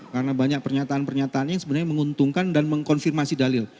karena banyak pernyataan pernyataannya yang sebenarnya menguntungkan dan mengkonfirmasi dalil